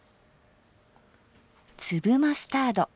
粒マスタード。